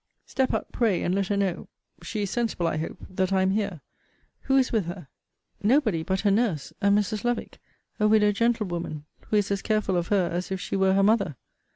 Step up, pray, and let her know, (she is sensible, I hope,) that I am here Who is with her? Nobody but her nurse, and Mrs. Lovick, a widow gentlewoman, who is as careful of her as if she were her mother.